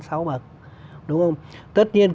sáu bậc đúng không tất nhiên